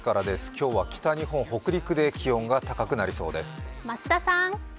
今日は北日本、北陸で気温が高くなりそうです。